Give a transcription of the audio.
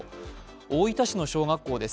大分市の小学校です。